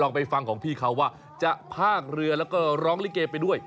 ไปฟังของพี่เขาว่าจะพากเรือแล้วก็ร้องลิเกไปด้วย